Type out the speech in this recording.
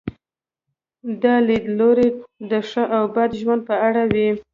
دا لیدلوری د ښه او بد ژوند په اړه وي.